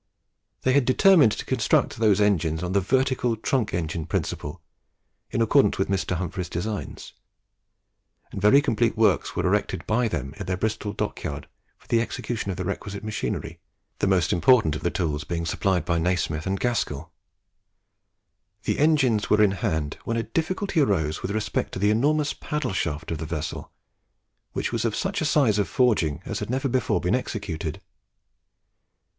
They had determined to construct those engines on the vertical trunk engine principle, in accordance with Mr. Humphries' designs; and very complete works were erected by them at their Bristol dockyard for the execution of the requisite machinery, the most important of the tools being supplied by Nasmyth and Gaskell. The engines were in hand, when a difficulty arose with respect to the enormous paddle shaft of the vessel, which was of such a size of forging as had never before been executed.